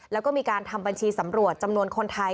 แล้วก็มีการทำบัญชีสำรวจจำนวนคนไทย